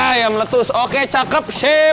ayam letus oke cakep ship